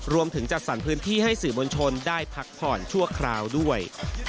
จัดสรรพื้นที่ให้สื่อมวลชนได้พักผ่อนชั่วคราวด้วย